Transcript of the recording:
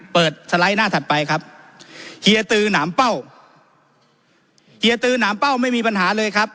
สไลด์หน้าถัดไปครับเฮียตือหนามเป้าเฮียตือหนามเป้าไม่มีปัญหาเลยครับ